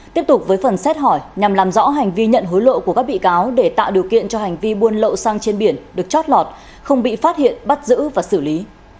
tiếp tục với phần xét hỏi nhằm làm rõ hành vi nhận hối lộ của các bị cáo để tạo điều kiện cho hành vi buôn lậu xăng trên biển được chót lọt không bị phát hiện bắt giữ và xử lý